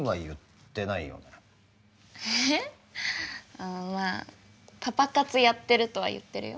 あまあパパ活やってるとは言ってるよ。